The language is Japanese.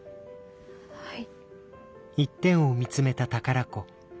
はい。